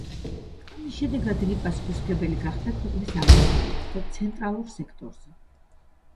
ამის შედეგად იგი პასუხისმგებელი გახდა ქვეყნის აღმოსავლეთ და შემდეგ ცენტრალურ სექტორზე.